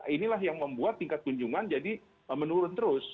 inilah yang membuat tingkat kunjungan jadi menurun terus